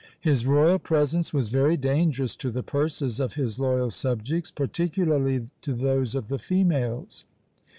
His royal presence was very dangerous to the purses of his loyal subjects, particularly to those of the females.